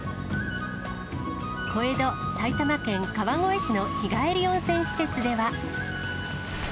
小江戸、埼玉県川越市の日帰り温泉施設では。